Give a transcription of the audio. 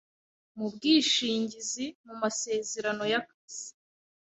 mu bwishingizi, mu masezerano y’akazi,